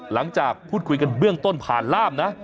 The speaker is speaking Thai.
หลังจากพูดคุยกันเบื้องต้นผ่านล่ามนะ